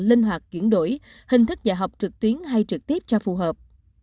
linh hoạt chuyển đổi hình thức dạy học trực tuyến hay trực tiếp cho phù hợp